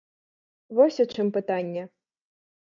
Вось у чым пытанне.